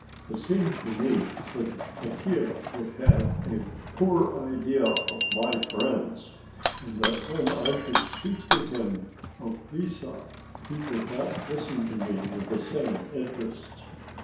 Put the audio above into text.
It seemed to me that Mattia would have a poor idea of my friends, and that when I should speak to him of Lise he would not listen to me with the same interest.